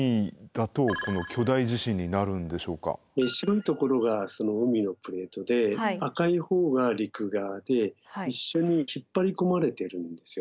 白いところが海のプレートで赤い方が陸側で一緒に引っ張り込まれてるんですよ。